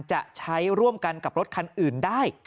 จะใช้ร่วมกันกับรถคันอื่นได้